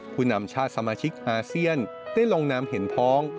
ผู้นำชาติสมาชิกอาเซียนได้ลงนามเห็นพ้อง